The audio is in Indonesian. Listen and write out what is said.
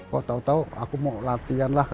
kok tau tau aku mau latihan lah